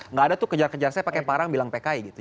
nggak ada tuh kejar kejar saya pakai parang bilang pki gitu